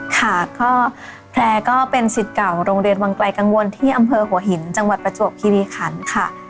ค่ะก็แพร่ก็เป็นสิทธิ์เก่าโรงเรียนวังไกลกังวลที่อำเภอหัวหินจังหวัดประจวบคิริขันค่ะ